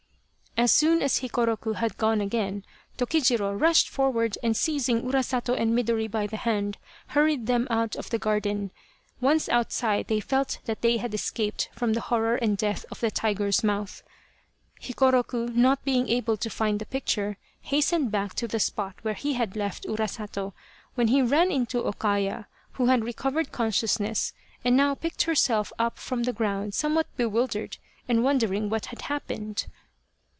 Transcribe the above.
As soon as Hikoroku had gone again Tokijiro rushed forward, and seizing Urasato and Midori by the hand, hurried them out of the garden. Once outside they felt that they had escaped from the horror and death of the tiger's mouth. Hikoroku, not be ; ng able to find the picture, hastened back to the spot where he had left Urasato, when he ran into O Kaya, who had recovered con sciousness, and now picked herself up from the ground somewhat bewildered and wondering what had happened.